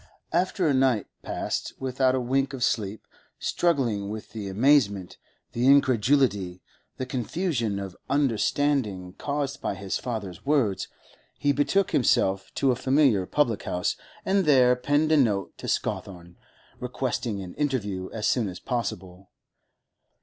After a night passed without a wink of sleep, struggling with the amazement, the incredulity, the confusion of understanding caused by his father's words, he betook himself to a familiar public house, and there penned a note to Scawthorne, requesting an interview as soon as possible.